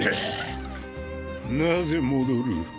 なぜ戻る？